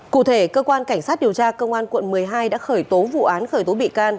cụ thể cơ quan cảnh sát điều tra công an quận một mươi hai đã khởi tố vụ án khởi tố bị can